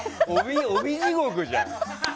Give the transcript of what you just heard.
帯地獄じゃん！